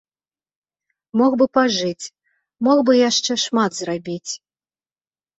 Мог бы пажыць, мог бы яшчэ шмат зрабіць.